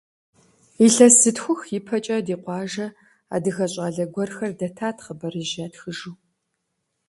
Илъэс зытхух и пэкӏэ, ди къуажэ адыгэ щӏалэ гуэрхэр дэтат хъыбарыжь ятхыжу.